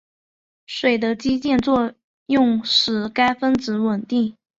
水的氢键作用使该分子稳定。